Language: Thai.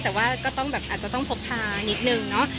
แต่ว่าก็อาจจะต้องพบพานิดนึงเนอะ